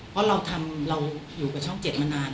เพราะเราทำเราอยู่กับช่อง๗มานาน